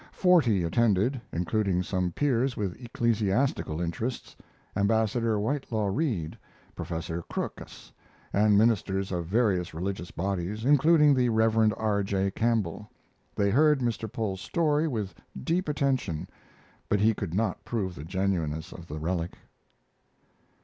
Forty attended, including some peers with ecclesiastical interests, Ambassador Whitelaw Reid, Professor Crookas, and ministers of various religious bodies, including the Rev. R. J. Campbell. They heard Mr. Pole's story with deep attention, but he could not prove the genuineness of the relic."